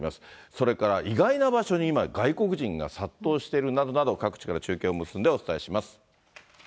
それから意外な場所に今、外国人が殺到しているなどなど、各地から中継を結んでお伝えします。